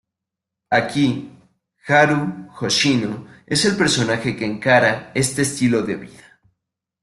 Aquí Haru Hoshino es el personaje que encarna este estilo de vida.